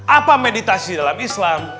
apa meditasi dalam islam